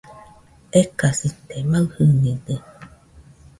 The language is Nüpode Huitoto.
Ekasite, maɨjɨnide